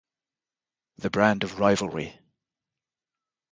The brand of rivalry.